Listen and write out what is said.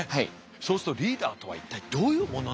そうするとリーダーとは一体どういうものなのか。